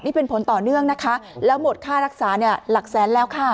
นี่เป็นผลต่อเนื่องนะคะแล้วหมดค่ารักษาเนี่ยหลักแสนแล้วค่ะ